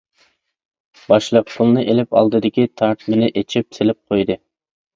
باشلىق پۇلنى ئېلىپ ئالدىدىكى تارتمىنى ئېچىپ سېلىپ قويدى.